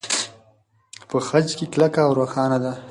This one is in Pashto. په خج کې کلکه او روښانه ده.